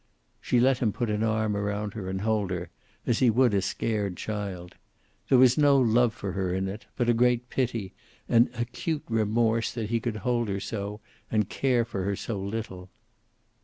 She let him put an arm around her and hold her, as he would a scared child. There was no love for her in it, but a great pity, and acute remorse that he could hold her so and care for her so little.